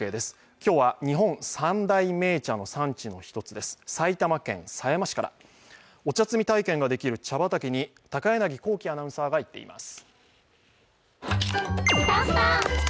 今日は日本三大銘茶の産地の一つです、埼玉県狭山市から、お茶摘み体験ができる茶畑に高柳光希アナウンサーが行っています。